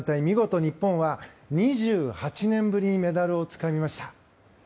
見事、日本は２８年ぶりにメダルをつかみました。